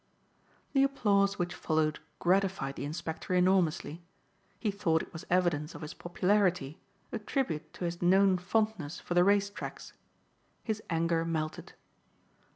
The applause which followed gratified the Inspector enormously. He thought it was evidence of his popularity, a tribute to his known fondness for the race tracks. His anger melted.